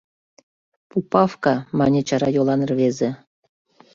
— Пупавка, — мане чара йолан рвезе.